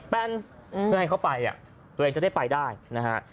แป้นเพื่อให้เขาไปตัวเองจะได้ไปได้นะฮะ